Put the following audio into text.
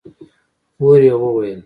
خور يې وويل: